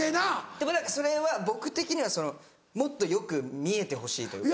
でもそれは僕的にはもっと良く見えてほしいというか。